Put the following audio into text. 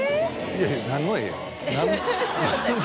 いやいや何の「えっ？」。